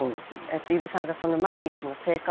伊武さんが毎日の生活？